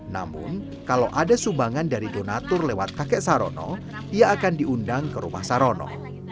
namun kalau ada sumbangan dari donatur lewat kakek sarono ia akan diundang ke rumah sarono